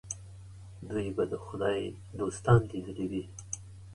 دوی به د خدای دوستان لیدلي وي.